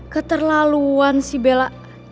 keterlaluan si bella